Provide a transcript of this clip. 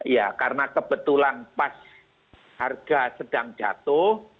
ya karena kebetulan pas harga sedang jatuh